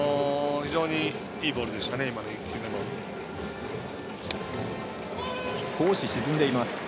非常にいいボールでしたね。